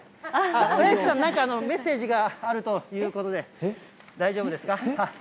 うらやしきさん、なんかメッセージがあるということで、大丈夫ですか？